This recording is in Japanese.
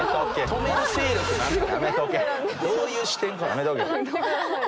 どういう視点から？